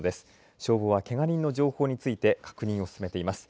消防は、けが人の情報について確認を進めています。